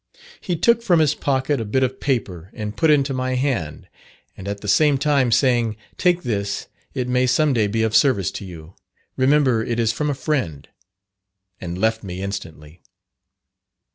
He took from his pocket a bit of paper and put into my hand, and at the same time saying, 'Take this, it may some day be of service to you, remember it is from a friend,' and left me instantly.